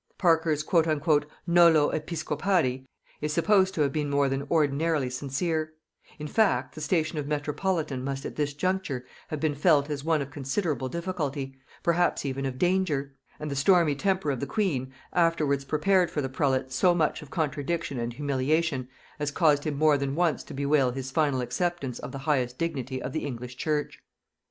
Parker's "Nolo episcopari" is supposed to have been more than ordinarily sincere: in fact, the station of metropolitan must at this juncture have been felt as one of considerable difficulty, perhaps even of danger; and the stormy temper of the queen afterwards prepared for the prelate so much of contradiction and humiliation as caused him more than once to bewail his final acceptance of the highest dignity of the English church.